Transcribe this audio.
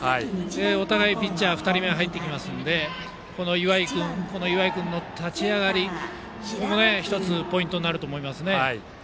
お互い、ピッチャー２人目が来ますのでこの岩井君の立ち上がりが１つポイントになるかと思います。